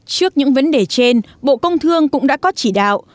trước những vấn đề trên bộ công thương cũng đã có chỉ đạo